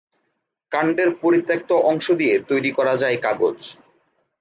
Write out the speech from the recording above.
কান্ডের পরিত্যক্ত অংশ দিয়ে তৈরি করা যায় কাগজ।